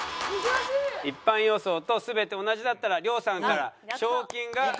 一般予想と全て同じだったら亮さんから賞金が。